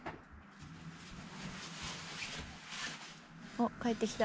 おっ帰ってきた。